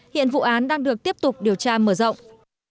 hiện vụ án đang được tiếp tục điều tra mở rộng